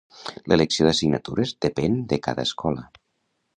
L'elecció d'assignatures depèn de cada escola.